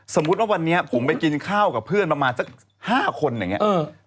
สมมุติว่าวันนี้ผมไปกินข้าวกับเพื่อนประมาณสัก๕คนอย่างนี้